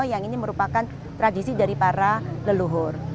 yang ini merupakan tradisi dari para leluhur